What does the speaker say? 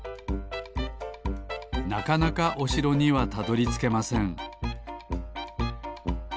なかなかおしろにはたどりつけません